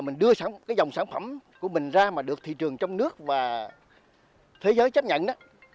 mình đưa dòng sản phẩm của mình ra mà được thị trường trong nước và thế giới chấp nhận